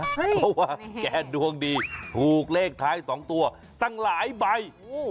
เพราะว่าแกดวงดีถูกเลขท้าย๒ตัวตั้งหลายใบ